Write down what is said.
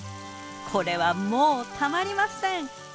これはもうたまりません！